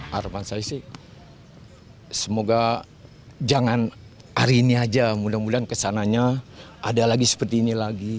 harapan saya sih semoga jangan hari ini aja mudah mudahan kesananya ada lagi seperti ini lagi